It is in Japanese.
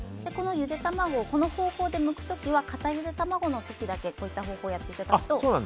ゆで卵、この方法でむく時は固ゆで卵の時だけこういう方法をやっていただくと。